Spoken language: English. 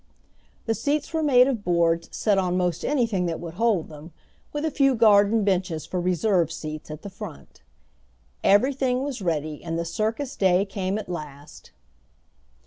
The seats were made of boards set on most anything that would hold them, with a few garden benches for reserved seats at the front. Everything was ready, and the circus day came at last.